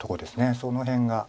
その辺が。